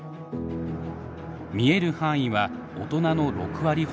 見える範囲は大人の６割ほど。